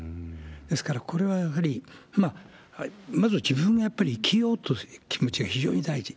ですから、これはやはり、まずは自分がやっぱり生きようという気持ちが非常に大事。